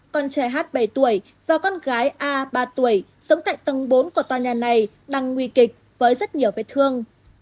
con trẻ hát bảy tuổi và con gái a ba tuổi sống tại tầng bốn của tòa nhà này đang nguy kịch với rất nhiều vết thương